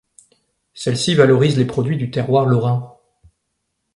Celle-ci valorise les produits du terroir lorrain.